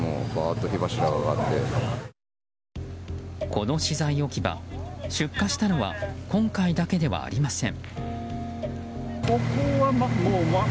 この資材置き場、出火したのは今回だけではありません。